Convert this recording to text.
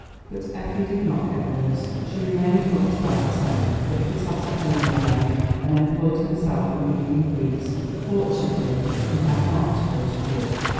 But Effie did not get worse. She remained much about the same. Geoffrey sat at home all day and employed himself in reading briefs; fortunately he had not to go to court.